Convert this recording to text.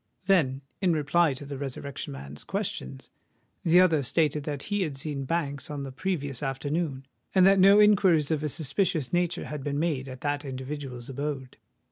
Then, in reply to the Resurrection Man's questions, the other stated that he had seen Banks on the previous afternoon, and that no inquiries of a suspicious nature had been made at that individual's abode.